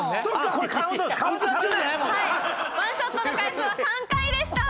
１ショットの回数は３回でした。